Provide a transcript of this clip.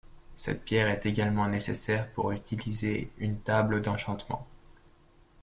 Cette pierre est également nécessaire pour utiliser une table d'enchantement.